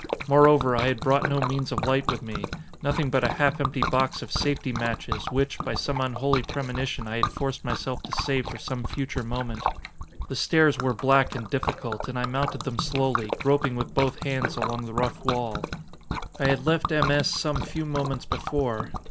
Moreover, I had brought no means of light with me nothing but a half empty box of safety matches which, by some unholy premonition, I had forced myself to save for some future moment. The stairs were black and difficult, and I mounted them slowly, groping with both hands along the rough wall. I had left M. S. some few moments before.